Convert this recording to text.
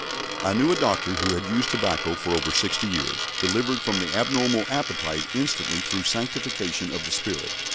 I knew a doctor, who had used tobacco for over sixty years, delivered from the abnormal appetite instantly through sanctification of the Spirit.